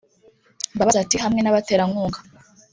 Mbabazi ati “hamwe n’abaterankunga